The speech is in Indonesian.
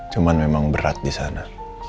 cuma memang berat di sana